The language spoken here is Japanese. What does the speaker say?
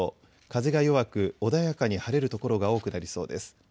風が弱く穏やかに晴れる所が多くなりそうです。